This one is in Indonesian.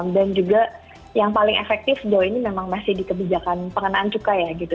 dan juga yang paling efektif bahwa ini memang masih dikebijakan pengenaan cukai ya gitu